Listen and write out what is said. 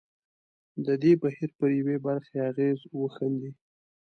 د دې بهیر پر یوې برخې اغېز وښندي.